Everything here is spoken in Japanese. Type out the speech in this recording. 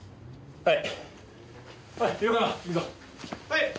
はい。